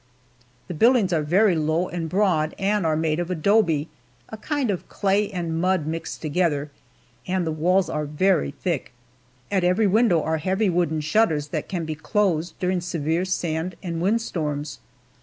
The buildings are very low and broad and are made of adobe a kind of clay and mud mixed together and the walls are very thick. At every window are heavy wooden shutters, that can be closed during severe sand and wind storms.